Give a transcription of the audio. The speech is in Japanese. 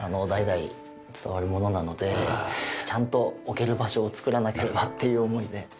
代々伝わるものなのでちゃんと置ける場所を作らなければっていう思いで。